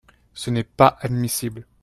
Ce n’est pas admissible.